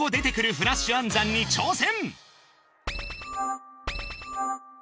フラッシュ暗算に挑戦！